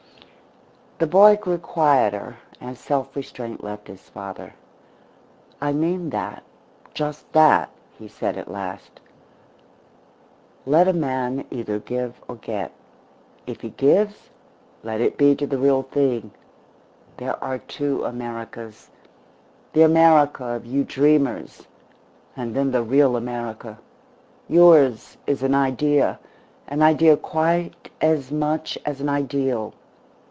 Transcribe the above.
The boy grew quieter as self restraint left his father. "I mean that just that," he said at last. "Let a man either give or get. If he gives, let it be to the real thing. There are two Americas. The America of you dreamers and then the real America. Yours is an idea an idea quite as much as an ideal.